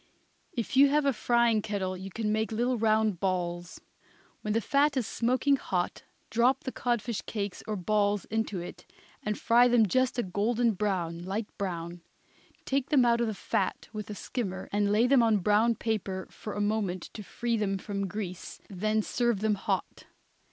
If you have a frying kettle you can make little round balls. When the fat is smoking hot drop the codfish cakes or balls into it and fry them just a golden brown, light brown. Take them out of the fat with a skimmer and lay them on brown paper for a moment to free them from grease, then serve them hot.